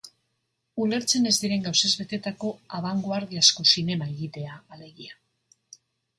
Ulertzen ez diren gauzez betetako abangoardiazko zinema egitea, alegia.